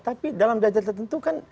tapi dalam jajar tertentu kan